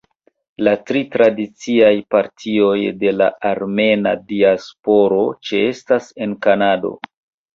La tri tradiciaj partioj de la armena diasporo ĉeestas en Kanado.